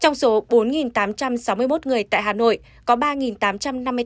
trong số bốn tám trăm sáu mươi một người tại hà nội có ba tám trăm năm mươi người tại hà nội